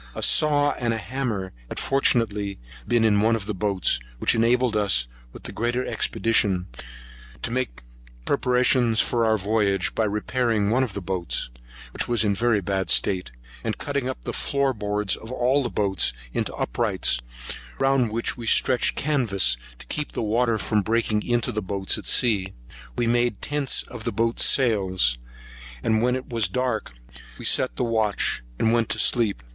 A saw and hammer had fortunately been in one of the boats, which enabled us, with the greater expedition, to make preparations for our voyage, by repairing one of the boats, which was in a very bad state, and cutting up the floor boards of all the boats into uprights, round which we stretched canvas, to keep the water from breaking into the boats at sea. We made tents of the boats' sails; and when it was dark, we set the watch, and went to sleep.